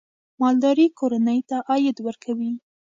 مالداري کورنۍ ته عاید ورکوي.